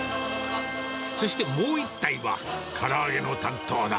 そしてもう１体はから揚げの担当だ。